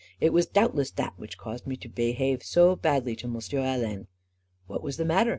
" It was doubtless that which caused me to behave so badly to M'sieu All*n." 44 What was the matter?